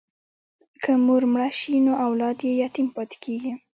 که مور مړه شي نو اولاد یې یتیم پاتې کېږي.